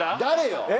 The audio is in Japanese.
誰よ？